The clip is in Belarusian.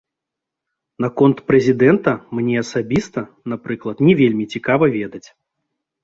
Наконт прэзідэнта мне асабіста, напрыклад, не вельмі цікава ведаць.